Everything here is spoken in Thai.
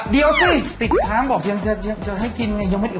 เดี๋ยวสิติดค้างบอกยังจะให้กินไงยังไม่ได้อ